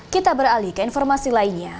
kita beralih ke informasi lainnya